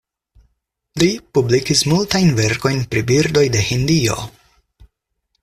Li publikis multajn verkojn pri birdoj de Hindio.